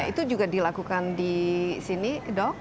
itu juga dilakukan di sini dok